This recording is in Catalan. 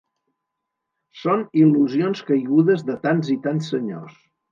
Són il·lusions caigudes de tants i tants senyors